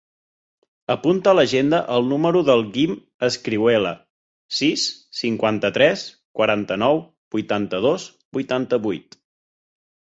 Apunta a l'agenda el número del Guim Escrihuela: sis, cinquanta-tres, quaranta-nou, vuitanta-dos, vuitanta-vuit.